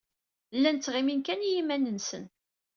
Llan ttɣimin kan i yiman-nsen.